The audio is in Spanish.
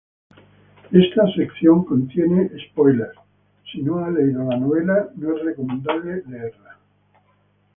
Esta sección contiene spoilers, si no ha leído la novela no es recomendable leerla.